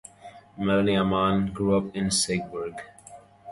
Melanie Amann grew up in Siegburg.